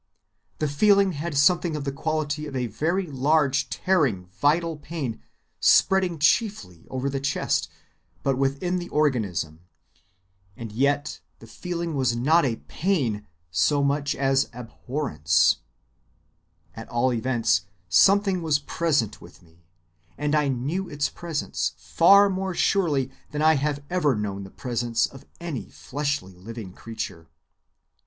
The feeling had something of the quality of a very large tearing vital pain spreading chiefly over the chest, but within the organism—and yet the feeling was not pain so much as abhorrence. At all events, something was present with me, and I knew its presence far more surely than I have ever known the presence of any fleshly living creature.